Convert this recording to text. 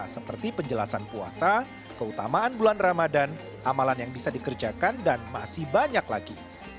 seperti penjelasan puasa keutamaan bulan ramadan amalan yang bisa dikerjakan dan masih banyak lagi